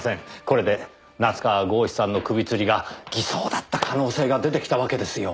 これで夏河郷士さんの首つりが偽装だった可能性が出てきたわけですよ。